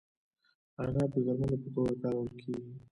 عناب د درملو په توګه کارول کیږي.